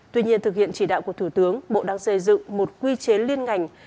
tuy nhiên thực hiện chỉ đạo của thủ tướng bộ đang xây dựng một quy chế liên ngành